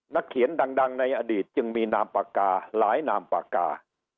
นักเขียนดังในอดีตจึงมีนามปากกาหลายนามปากกา